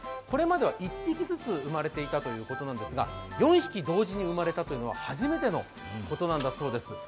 これまでは１匹ずつ生まれていたということなんですが４匹同時に生まれたというのは初めてのことなんだそうです。